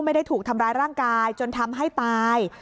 ไม่ได้ถูกทำร้ายร่างกายจนทำให้ตาย